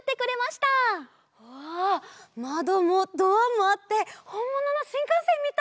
わまどもドアもあってほんもののしんかんせんみたい！